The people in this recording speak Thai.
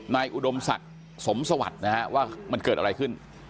อุดมศักดิ์สมสวัสดิ์นะฮะว่ามันเกิดอะไรขึ้น